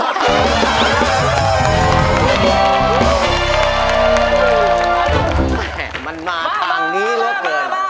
แม่มันมาต่างนี้เลยเขิน